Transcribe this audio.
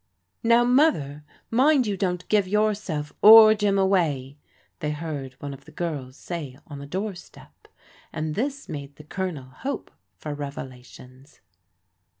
" Now, Mother, mind you don't give yourself or Jim away," they heard one of the girls say on the door step, and this made the Colonel hope for revelations.